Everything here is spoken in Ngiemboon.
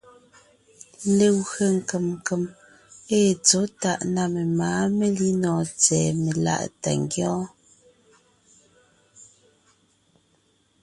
Legwé nkèm nkèm ée tsɔ̌ tàʼ na memáa melínɔɔn tsɛ̀ɛ meláʼ tà ngyɔ́ɔn.